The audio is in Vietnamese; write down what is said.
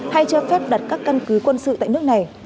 hay cho phép đặt các căn cứ quân sự tại nước này